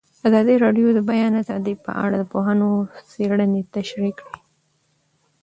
ازادي راډیو د د بیان آزادي په اړه د پوهانو څېړنې تشریح کړې.